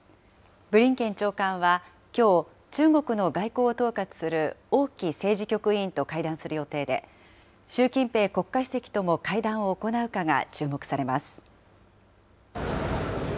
ブリンケン長官は、きょう、中国の外交を統括する王毅政治局委員と会談する予定で、習近平国家主席とも会談を行うかが注目されます。